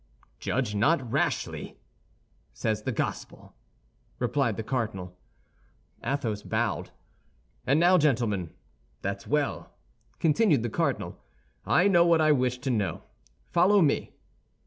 "'Judge not rashly', says the Gospel," replied the cardinal. Athos bowed. "And now, gentlemen, that's well," continued the cardinal. "I know what I wish to know; follow me."